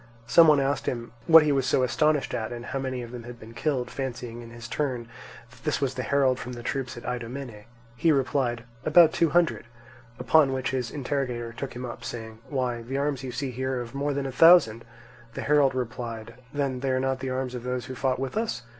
Some one asked him what he was so astonished at, and how many of them had been killed, fancying in his turn that this was the herald from the troops at Idomene. He replied: "About two hundred"; upon which his interrogator took him up, saying: "Why, the arms you see here are of more than a thousand." The herald replied: "Then they are not the arms of those who fought with us?"